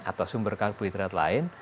atau sumber karbohidrat lain